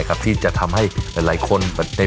โปรดติดตามต่อไป